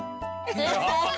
ハハハハ！